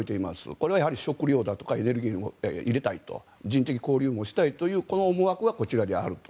これは食料だとかエネルギーを入れたい人的交流もしたいという思惑がこちらにあると。